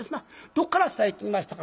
どこから伝え聞きましたか